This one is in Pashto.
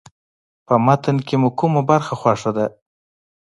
په متن کې مو کومه برخه خوښه ده.